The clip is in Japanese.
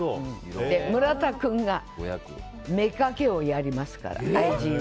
村田君が妾をやりますから。